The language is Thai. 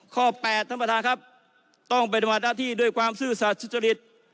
ข้อ๘ท่านประธานครับต้องเป็นมาตราที่ด้วยความซื่อสาธิตริต